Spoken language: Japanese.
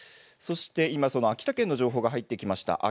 そして今、その秋田県の情報が入ってきました。